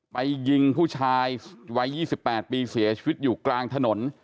ไปยิงผู้ชายวัย๒๘ปีเสียชีวิตอยู่กลางถนน